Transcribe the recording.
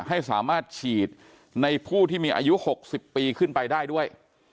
ให้สามารถฉีดในผู้ที่มีอายุ๖๐ปีขึ้นไปได้ด้วย